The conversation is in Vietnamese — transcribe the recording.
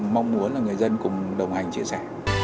mong muốn là người dân cùng đồng hành chia sẻ